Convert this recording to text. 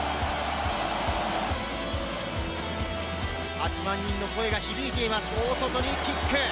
８万人の声が響いています、大外にキック。